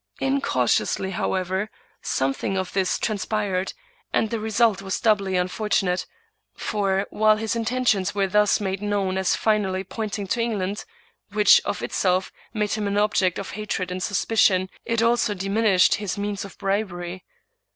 Incautiously, however, something of this transpired, and the result was doubly unfortunate; for, while his intentions were thus made known as finally pointing to England, which of itself made him an object of hatred and suspicion, it also diminished his means of brib ery.